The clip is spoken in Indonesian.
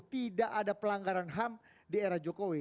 tidak ada pelanggaran ham di era jokowi